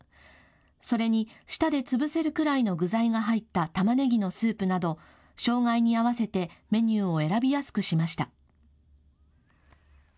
それに舌で潰せるくらいの具材が入った、たまねぎのスープなど障害に合わせてメニューを選びやすくしました。